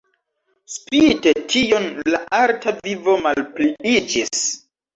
Spite tion la arta vivo malpliiĝis.